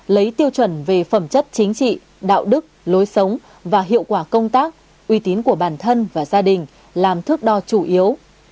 lấy tiêu chuẩn về phẩm chất chính trị đạo đức lối sống và hiệu quả công tác uy tín của bản thân và gia đình làm thước đo chủ yếu